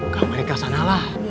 ke amerika sanalah